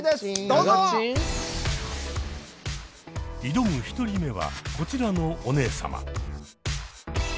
挑む１人目はこちらのお姉様。